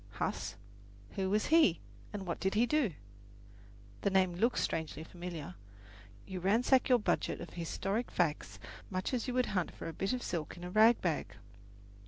Huss? Who was he and what did he do? The name looks strangely familiar. You ransack your budget of historic facts much as you would hunt for a bit of silk in a rag bag.